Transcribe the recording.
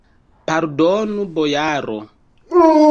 Pardonu, bojaro!